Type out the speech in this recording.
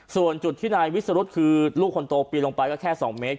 ส่วนจุดที่นายวิสรุธคือลูกคนโตปีนลงไปก็แค่๒เมตร